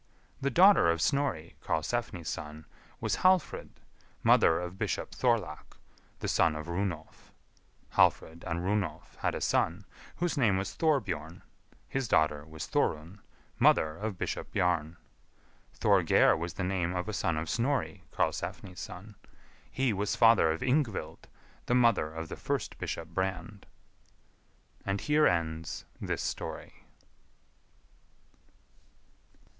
The daughter of Snorri, Karlsefni's son, was Hallfrid, mother of Bishop Thorlak, the son of Runolf. (Hallfrid and Runolf) had a son, whose name was Thorbjorn; his daughter was Thorun, mother of Bishop Bjarn. Thorgeir was the name of a son of Snorri, Karlsefni's son; he was father of Yngvild, the mother of the first Bishop Brand. And here ends this story.